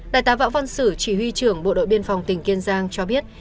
đại tá võ văn sử chỉ huy trưởng bộ đội biên phòng tỉnh kiên giang cho biết